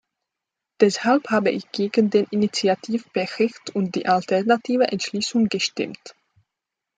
Deshalb habe ich gegen den Initiativbericht und die alternative Entschließung gestimmt.